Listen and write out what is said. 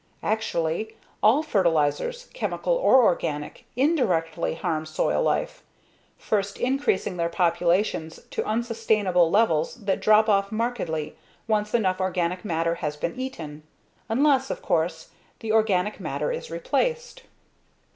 Actually, all fertilizers, chemical or organic, indirectly harm soil life, first increasing their populations to unsustainable levels that drop off markedly once enough organic matter has been eaten. Unless, of course, the organic matter is replaced.